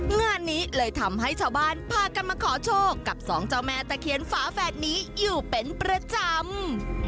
งานนี้เลยทำให้ชาวบ้านพากันมาขอโชคกับสองเจ้าแม่ตะเคียนฝาแฝดนี้อยู่เป็นประจำ